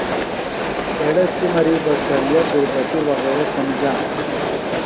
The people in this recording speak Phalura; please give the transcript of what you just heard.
ایڑے چِمری بہ سریہ دُربٹی وغیرہ سمِجِانہ۔